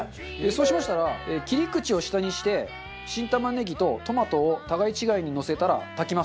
そうしましたら切り口を下にして新玉ねぎとトマトを互い違いにのせたら炊きます。